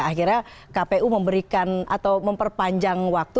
akhirnya kpu memberikan atau memperpanjang waktu